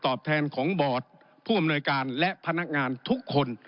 แทนของบอร์ดผู้อำนวยการและพนักงานทุกคน